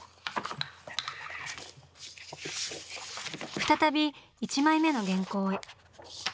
再び１枚目の原稿へ。